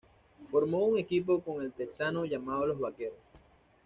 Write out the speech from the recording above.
Formó un equipo con El Texano, llamado "Los Vaqueros".